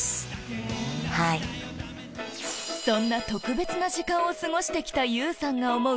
そんな特別な時間を過ごして来たＹＯＵさんが思う